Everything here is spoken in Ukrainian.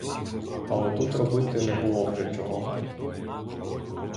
Але тут робити не було вже чого.